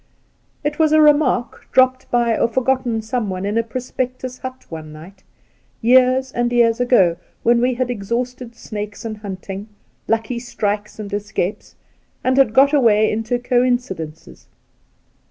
It was a remark dropped by a forgotten someone in a prospector's hut one night, years and years algo, when we had exhausted snakes and hunting, lucky strikes and escapes, and had got awSiy intt), coinci dences.